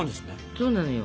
そうなのよ。